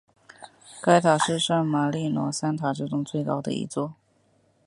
该塔是圣马利诺三塔之中最高的一座。